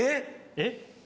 えっ？